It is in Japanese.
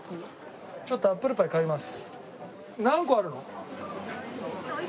ちょっとアップルパイ買います。